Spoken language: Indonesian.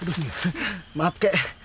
aduh maaf kak